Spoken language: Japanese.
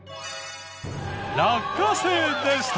落花生でした。